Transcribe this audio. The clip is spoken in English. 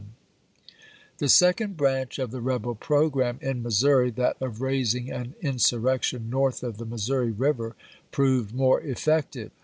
^^^M^m The second branch of the rebel programme in Missouri, that of raising an insurrection north of the Missouri River, proved more effective.